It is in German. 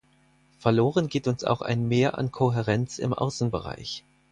Verloren geht uns auch ein Mehr an Kohärenz im Außenbereich.